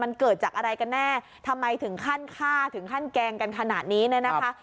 มันเกิดจากอะไรกันแน่ทำไมถึงขั้นฆ่าถึงขั้นแกล้งกันขนาดนี้เนี่ยนะคะ